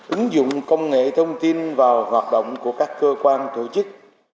ứng dụng công nghệ thông tin vào hoạt động của các cơ quan tổ chức